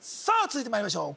続いてまいりましょう